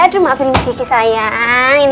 aduh maafin misi misi sayang